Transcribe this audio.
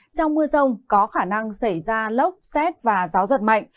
trong mưa rông có khả năng xảy ra lốc xét và gió giật mạnh